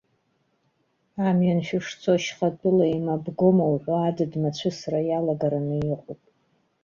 Амҩан шәышцо, шьхатәыла еимабгома уҳәо, адыд-мацәысра иалагараны иҟоуп.